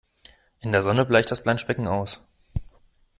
In der Sonne bleicht das Planschbecken aus.